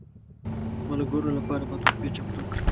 ملګرو لپاره به تحفې چمتو کړم.